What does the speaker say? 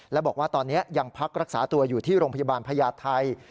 และบอกว่าตอนนี้ยังพักรักษาตัวอยู่ที่โรงพยาบาลพญาไทย